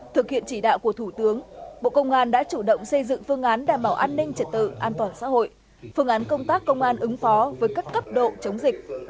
thực hiện chỉ đạo của thủ tướng bộ công an đã chủ động xây dựng phương án đảm bảo an ninh trật tự an toàn xã hội phương án công tác công an ứng phó với các cấp độ chống dịch